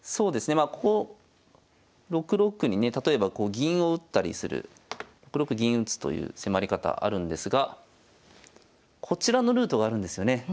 まあこう６六にね例えばこう銀を打ったりする６六銀打という迫り方あるんですがこちらのルートがあるんですよね。